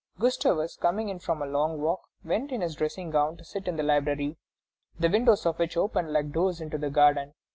Gustavus coming in from a long walk, went in his dressing gown to sit in the library, the windows of which opened like doors into the garden.